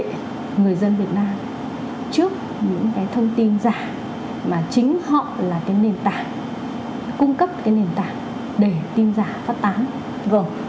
những người dân việt nam trước những thông tin giả mà chính họ là nền tảng cung cấp nền tảng để tin giả phát tán